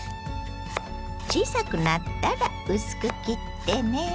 小さくなったら薄く切ってね。